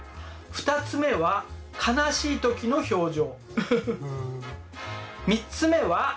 ３つ目は楽しい時の表情。